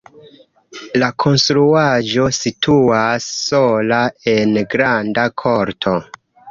La konstruaĵo situas sola en granda korto.